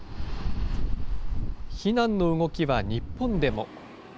避難の動きは日本でも。